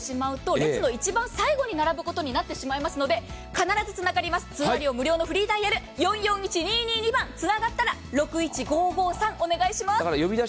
切ってしまうと列の一番最後に並ぶことになりますので必ずつながります、通話料無料のフリーダイヤルへ、つながったら６１５５３、お願いします。